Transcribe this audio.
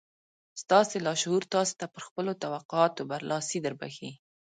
ستاسې لاشعور تاسې ته پر خپلو توقعاتو برلاسي دربښي